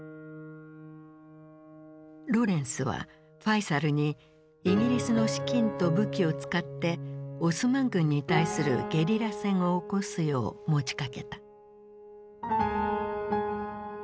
ロレンスはファイサルにイギリスの資金と武器を使ってオスマン軍に対するゲリラ戦を起こすよう持ちかけた。